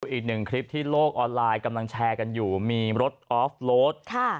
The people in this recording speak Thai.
อีกหนึ่งคลิปที่โลกออนไลน์กำลังแชร์กันอยู่มีรถออฟโลด